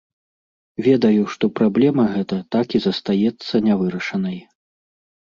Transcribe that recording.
Ведаю, што праблема гэта так і застаецца не вырашанай.